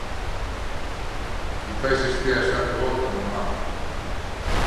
Quizais estea xa de volta no mar.